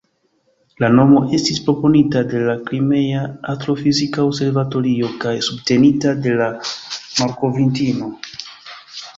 La nomo estis proponita de la Krimea Astrofizika Observatorio kaj subtenita de la malkovrintino.